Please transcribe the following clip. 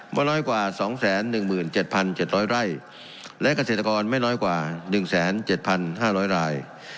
ว่าน้อยกว่า๒๑๗๗๐๐ไร่และเกษตรกรไม่น้อยกว่า๑๗๕๐๐ราย